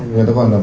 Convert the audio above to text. người ta gọi là